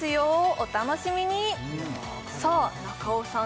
お楽しみにさあ中尾さん